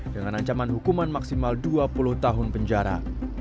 dengan ancaman hukuman maksimal dua puluh tahun penjara